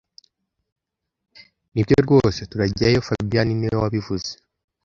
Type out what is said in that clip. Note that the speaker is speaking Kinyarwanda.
Nibyo rwose turajyayo fabien niwe wabivuze